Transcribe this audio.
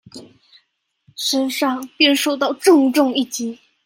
身上便受到重重一擊